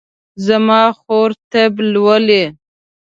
زما خور طب لولي